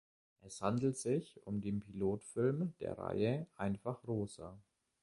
Es handelt sich um den Pilotfilm der Reihe "Einfach Rosa".